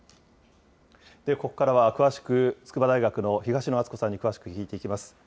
ここからは、詳しく筑波大学の東野篤子さんに詳しく聞いていきます。